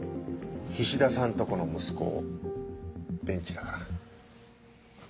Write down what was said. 菱田さんとこの息子ベンチだから。